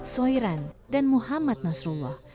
soeiran dan muhammad nasrullah